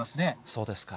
そうですか。